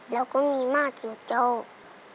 แล้วก็มีมากสุดเจ้า